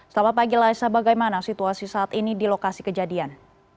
selamat pagi laisa bagaimana situasi saat ini di lokasi kejadian